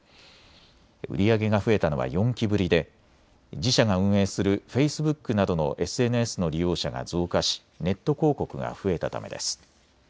売り上げが増えたのは４期ぶりで自社が運営するフェイスブックなどのＳＮＳの利用者が増加しネット広告が増えたためです。